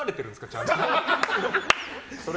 ちゃんと。